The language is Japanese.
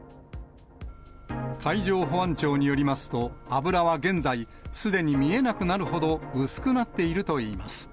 海上保安庁によりますと、油は現在、すでに見えなくなるほど薄くなっているといいます。